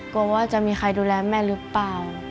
ว่าจะมีใครดูแลแม่หรือเปล่า